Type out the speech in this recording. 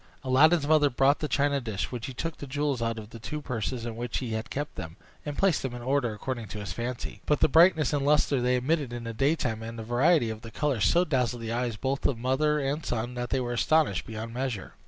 Aladdin's mother brought the china dish, when he took the jewels out of the two purses in which he had kept them, and placed them in order according to his fancy. But the brightness and lustre they emitted in the daytime, and the variety of the colors, so dazzled the eyes both of mother and son that they were astonished beyond measure.